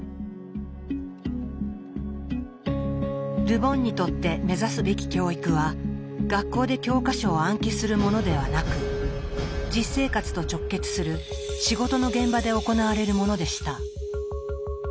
ル・ボンにとって目指すべき教育は学校で教科書を暗記するものではなく実生活と直結する仕事の現場で行われるものでした。